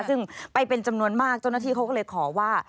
ซึ่งไปเป็นจำนวนมากเจ้าหน้าที่เขาก็เลยขอว่า